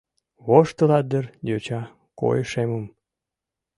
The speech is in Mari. Воштылат дыр йоча койышемым?